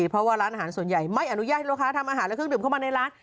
เพราะว่าร้านอาหารส่วนใหญ่ไม่อนุญาตให้ลูกค้าทำอาหารและเครื่องดื่มเข้ามาในร้าน